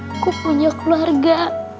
aku punya keluarga